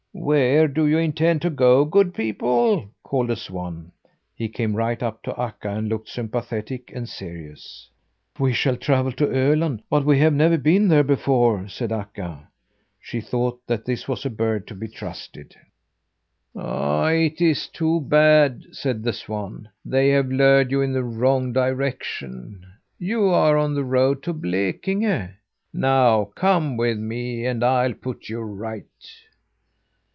"Where do you intend to go, good people?" called a swan. He came right up to Akka, and looked sympathetic and serious. "We shall travel to Öland; but we have never been there before," said Akka. She thought that this was a bird to be trusted. "It's too bad," said the swan. "They have lured you in the wrong direction. You're on the road to Blekinge. Now come with me, and I'll put you right!"